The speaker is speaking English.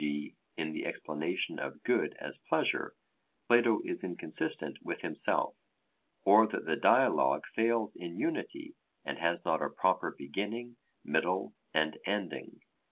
g. in the explanation of good as pleasure Plato is inconsistent with himself; or that the Dialogue fails in unity, and has not a proper beginning, middle, and ending.